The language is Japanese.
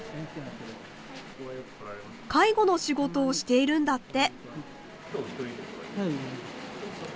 介護の仕事をしているんだって。